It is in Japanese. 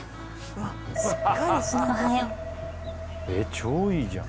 超いいじゃん。